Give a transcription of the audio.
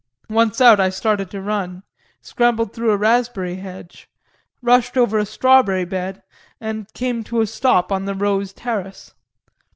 ] Once out I started to run, scrambled through a raspberry hedge, rushed over a strawberry bed and came to a stop on the rose terrace.